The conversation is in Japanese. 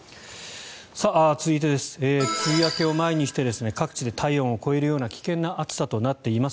続いて、梅雨明けを前にして各地で体温を超えるような危険な暑さとなっています。